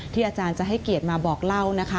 อาจารย์จะให้เกียรติมาบอกเล่านะคะ